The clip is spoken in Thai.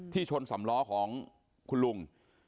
ชนสำล้อของคุณลุง